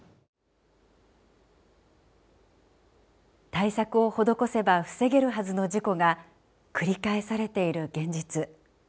対策を施せば防げるはずの事故が繰り返されている現実。